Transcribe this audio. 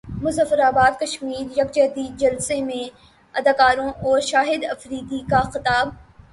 مظفراباد کشمیر یکجہتی جلسہ میں اداکاروں اور شاہد افریدی کا خطاب